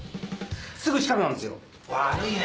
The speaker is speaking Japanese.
すぐ近くなんですよ。悪いね。